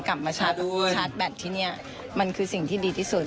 กลับมาชาร์จชาร์จแบตที่นี่มันคือสิ่งที่ดีที่สุด